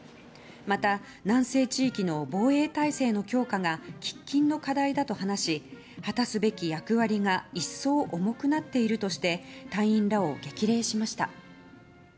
また、南西地域の防衛体制の強化が喫緊の課題だと話し果たすべき役割が一層重くなっているとして隊員らを激励しました。